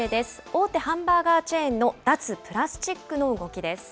大手ハンバーガーチェーンの脱プラスチックの動きです。